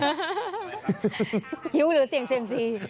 หิวหรือเสี่ยงเซียมซี